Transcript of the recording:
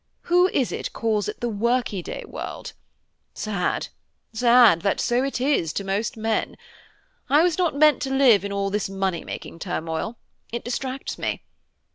Who is it calls it the workey day world? Sad! sad! that so it is to most men. I was not meant to live in all this money making turmoil. It distracts me.